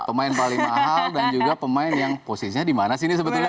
pemain paling mahal dan juga pemain yang posisinya dimana sih ini sebetulnya kan